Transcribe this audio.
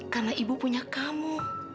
karena ibu punya kamu